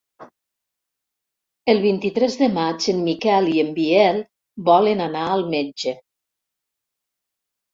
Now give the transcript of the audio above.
El vint-i-tres de maig en Miquel i en Biel volen anar al metge.